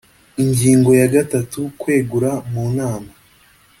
ingingo ya gatatu kwegura mu nama